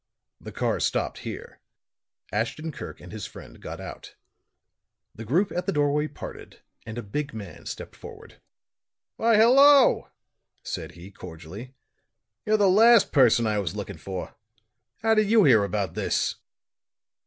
The car stopped here; Ashton Kirk and his friend got out; the group at the doorway parted and a big man stepped forward. "Why, hello," said he, cordially. "You're the last person I was looking for. How did you hear about this?"